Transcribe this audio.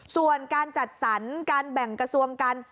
ส่วนการจัดสรรการแบ่งกระทรวงกัน